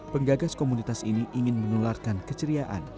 penggagas komunitas ini ingin menularkan keceriaan